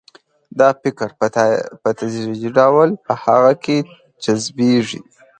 دا فکر په تدریجي ډول په هغه کې جذبیږي